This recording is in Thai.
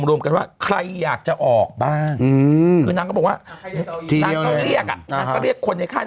ออกเลย